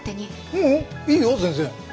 ううんいいよ全然。